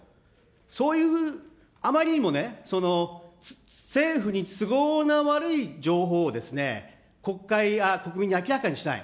そういうあまりにもね、政府に都合の悪い情報をですね、国会、国民に明らかにしない。